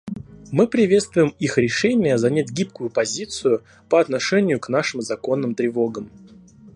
Мы приветствуем их решение занять гибкую позицию по отношению к нашим законным тревогам.